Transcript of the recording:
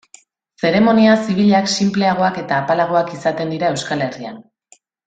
Zeremonia zibilak sinpleagoak eta apalagoak izaten dira Euskal Herrian.